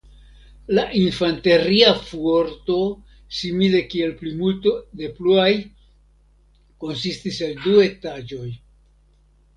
La infanteria fuorto simile kiel plimulto de pluaj konsistis el du etaĝoj.